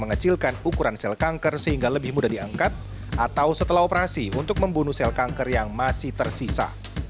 mengecilkan ukuran sel kanker sehingga lebih mudah diangkat atau setelah operasi untuk membunuh sel kanker yang masih tersisa